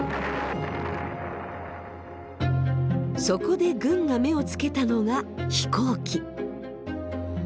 そこで軍が目をつけたのが飛行機。